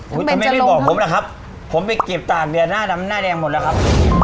ทำไมไม่บอกผมล่ะครับผมไปเก็บตากเนี่ยหน้าดำหน้าแดงหมดแล้วครับ